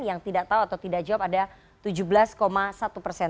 yang tidak tahu atau tidak jawab ada tujuh belas satu persen